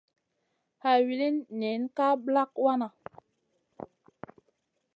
Hay wulini nina ka ɓlak wanaʼ.